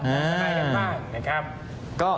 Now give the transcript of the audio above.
ทนายกันบ้างนะครับ